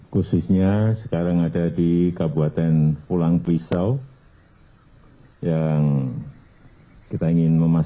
khususnya sekarang ada di kabupaten pulang pisau yang kita ingin memastikan